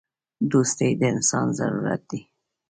• دوستي د انسان ضرورت دی.